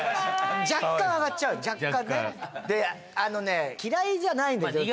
若干上がっちゃう若干ねであのね嫌いじゃないんですよ